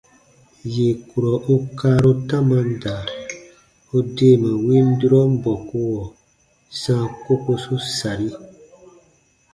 Yè kurɔ u kaaru tamam da, u deema win durɔn bɔkuɔ sãa kokosu sari.